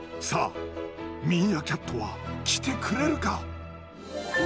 さあミーアキャットは来てくれるか？